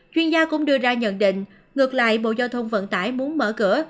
chuyên gia cũng đưa ra nhận định ngược lại bộ giao thông vận tải muốn mở cửa